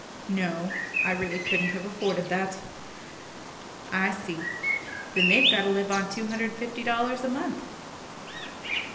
"No; I really couldn't have afforded that." "I see. Then they've got to live on two hundred and fifty dollars a month."